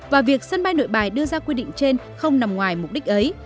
và việc sân bay nội bài đưa ra quy định trên không nằm ngoài mục đích ấy